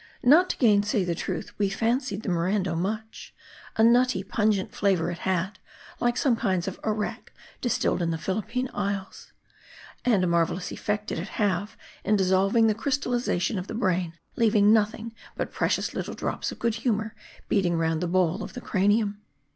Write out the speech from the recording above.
Not to gainsay the truth, we fancied the Morando much. A nutty, pungent flavor it had ; like some kinds of arrack distilled in the Philippine isles. And a marvelous effect did it have, in dissolving the crystalization of the brain ; leav ing nothing but precious little drops of good humor, beading round the bowl of the cranium.